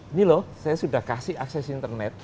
ini loh saya sudah kasih akses internet